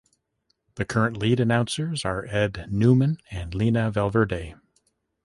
The current lead announcers are Ed Newman and Lena Valverde.